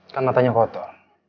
kan matanya kotor